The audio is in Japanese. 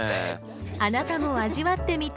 あなたも味わってみたい